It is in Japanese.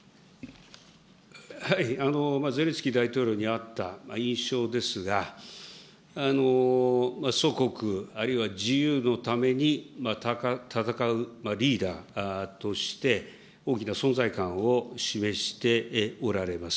ゼレンスキー大統領に会った印象ですが、祖国、あるいは自由のために戦うリーダーとして、大きな存在感を示しておられます。